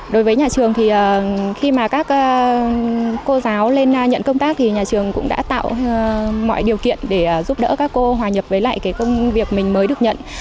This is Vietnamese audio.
đối với nhà trường thì khi mà các cô giáo lên nhận công tác thì nhà trường cũng đã tạo mọi điều kiện để giúp đỡ các cô hòa nhập với lại cái công việc mình mới được nhận